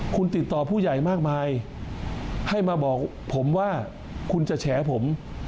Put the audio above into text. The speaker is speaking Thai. คุณติดต่อผู้ใหญ่มากมายให้มาบอกผมว่าคุณจะแฉผม